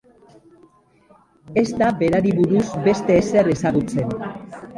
Ez da berari buruz beste ezer ezagutzen.